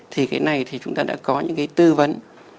thì cái này thì chúng ta đã có những cái tư vấn